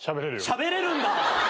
しゃべれるんだ。